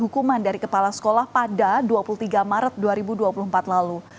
hukuman dari kepala sekolah pada dua puluh tiga maret dua ribu dua puluh empat lalu